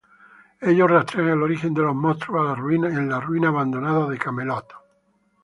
Ellos rastrean el origen de los monstruos a las ruinas abandonadas de Camelot.